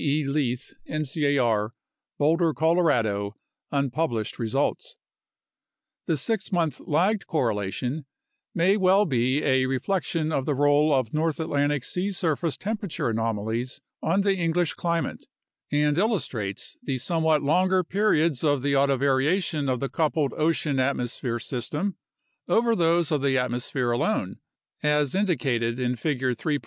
E. Leith, ncar, Boulder, Colorado, un published results). The 6 month lagged correlation may well be a re flection of the role of North Atlantic sea surface temperature anomalies on the English climate and illustrates the somewhat longer periods of the autovariation of the coupled ocean atmosphere system over those of the atmosphere alone, as indicated in Figure 3.